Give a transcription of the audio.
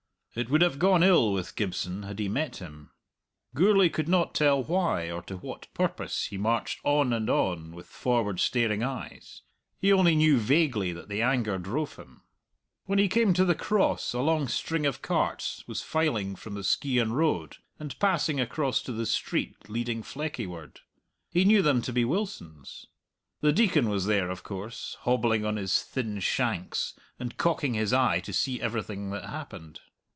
It would have gone ill with Gibson had he met him. Gourlay could not tell why, or to what purpose, he marched on and on with forward staring eyes. He only knew vaguely that the anger drove him. When he came to the Cross a long string of carts was filing from the Skeighan Road, and passing across to the street leading Fleckie ward. He knew them to be Wilson's. The Deacon was there, of course, hobbling on his thin shanks, and cocking his eye to see everything that happened.